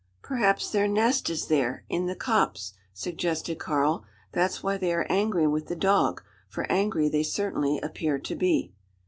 "Perhaps their nest is there in the copse?" suggested Karl; "That's why they are angry with the dog: for angry they certainly appear to be."